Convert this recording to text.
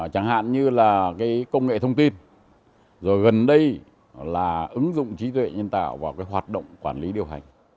chẳng hạn như là công nghệ thông tin rồi gần đây là ứng dụng trí tuệ nhân tạo vào hoạt động quản lý điều hành